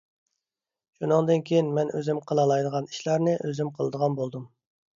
شۇنىڭدىن كېيىن مەن ئۆزۈم قىلالايدىغان ئىشلارنى ئۆزۈم قىلىدىغان بولدۇم.